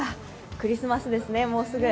クリスマスですね、もうすぐ。